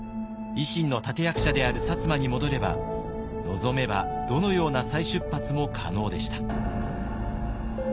維新の立て役者である薩摩に戻れば望めばどのような再出発も可能でした。